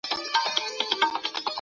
کمزوری اقتصاد خلکو ته ډېرې ستونزې جوړوي.